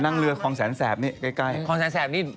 ล่องเรืออะไรอายุธยายงเก็บสวท้าย